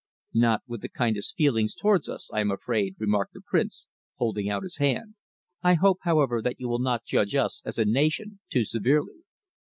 "Not with the kindliest feelings towards us, I am afraid," remarked the Prince, holding out his hand. "I hope, however, that you will not judge us, as a nation, too severely."